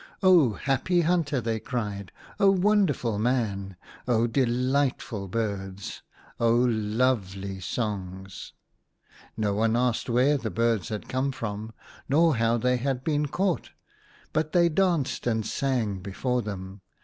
" Oh, happy hunter !" they cried. " Oh, wonderful man ! Oh, delightful birds ! Oh, lovely songs !" No one asked where the birds had come from, nor how they had been caught ; but they danced and sang before them.